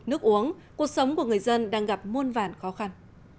nước uống cuộc sống của người dân đang gặp muôn vàn khó khăn